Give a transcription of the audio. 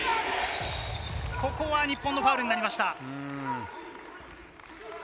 ここは日本のファウルになりました。